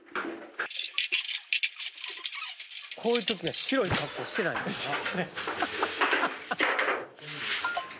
こういう時は白い格好してないんねんな。